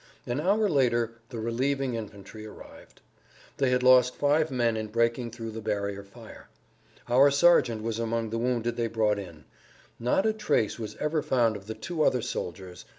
An hour later the relieving infantry arrived. They had lost five men in breaking through the barrier fire. Our sergeant was among the wounded they brought in. Not a trace was ever found of the two other soldiers.